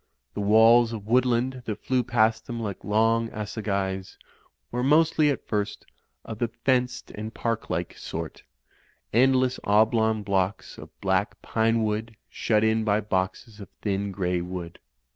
The walls of woodland that flew past them like long assegais, were mostly, at first, of the fenced and park like sort ; end less oblong blocks of black pinewood shut in by boxes of thin grey wood.